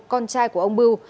con trai của ông mưu